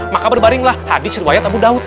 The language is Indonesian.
maka berbaring lah hadits riwayat abu daud